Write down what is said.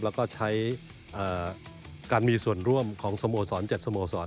แล้วก็ใช้การมีส่วนร่วมของสโมสร๗สโมสร